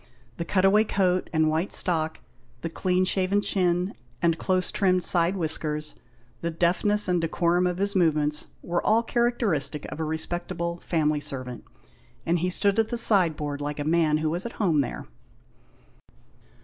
The cut away coat, and white stock, the clean shaven chin, and close trimmed side whiskers, the deftness and decorum of his movements were all characteristic of a respectable family servant, and he stood at the sideboard like a man who was at home there.